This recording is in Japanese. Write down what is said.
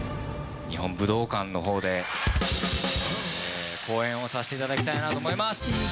日本武道館のほうで、公演をさせていただきたいなと思います。